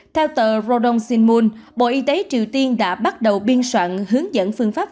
theo tờ rodong shinmun bộ y tế triều tiên đã bắt đầu biên soạn hướng dẫn phương pháp